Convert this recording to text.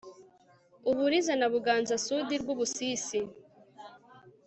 Uburiza na BuganzaSud Rwubusisi